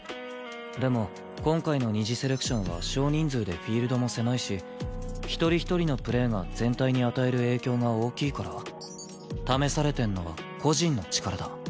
でも今回の二次セレクションは少人数でフィールドも狭いし一人一人のプレーが全体に与える影響が大きいから試されてんのは個人の力だ。